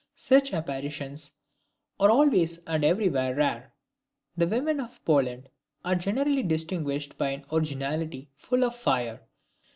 Such apparitions are always and everywhere rare. The women of Poland are generally distinguished by an originality full of fire.